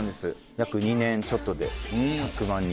約２年ちょっとで１００万人